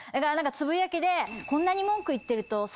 つぶやきで。